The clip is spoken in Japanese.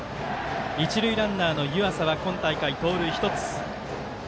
一塁ランナーの湯淺は今大会、盗塁１つ。